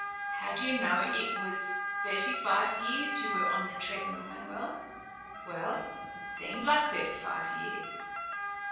"How do you know it was thirty five years you were on the treadmill, Manuel?" "Well, it seemed like thirty five years."